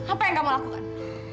apa yang kamu lakukan